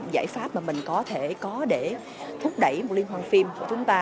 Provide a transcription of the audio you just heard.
giải pháp mà mình có thể có để thúc đẩy một liên hoàn phim của chúng ta